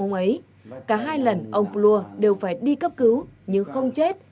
trong ấy cả hai lần ông lua đều phải đi cấp cứu nhưng không chết